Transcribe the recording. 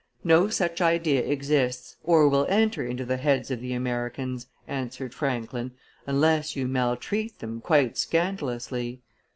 "No such idea exists or will enter into the heads of the Americans," answered Franklin, "unless you maltreat them quite scandalously."